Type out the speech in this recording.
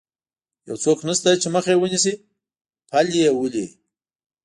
یو څوک نشته چې مخه یې ونیسي، پل یې ولې.